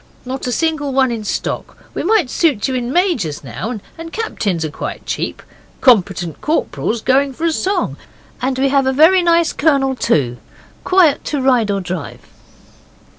'Not a single one in stock. We might suit you in majors now and captains are quite cheap. Competent corporals going for a song. And we have a very nice colonel, too quiet to ride or drive.